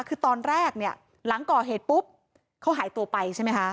คือตอนแรกเนี่ยหลังก่อเหตุปุ๊บเขาหายตัวไปใช่ไหมคะ